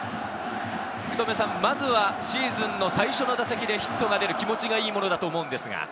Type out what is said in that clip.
まずはシーズンの最初の打席でヒットが出る気持ちがいいものだと思うんですが。